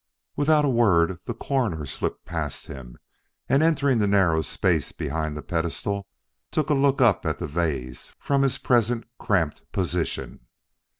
Without a word the Coroner slipped past him and entering the narrow space behind the pedestal took a look up at the vase from his present cramped position.